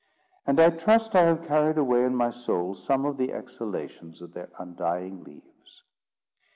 And I trust I have carried away in my soul some of the exhalations of their undying leaves.